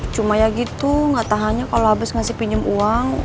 cuma ya gitu gak tahannya kalo abis ngasih pinjem uang